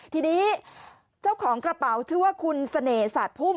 ทีนี้เจ้าของกระเป๋าชื่อว่าคุณเสน่หาดพุ่ม